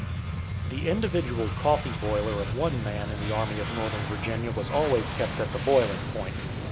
The individual coffee boiler of one man in the Army of Northern Virginia was always kept at the boiling point.